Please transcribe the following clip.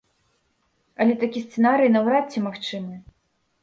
Але такі сцэнарый, наўрад ці магчымы.